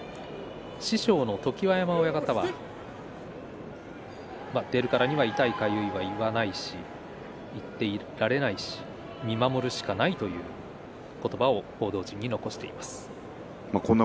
師匠の常盤山親方は出るからには痛いということは言わないし言っていられないし見守るしかないという言葉を報道陣に残しました。